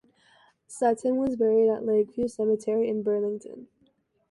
Sutton was buried at Lakeview Cemetery in Burlington.